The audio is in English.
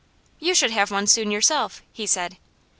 "You should have one soon, yourself," he said.